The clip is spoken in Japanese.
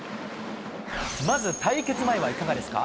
まず、対決前はいかがですか。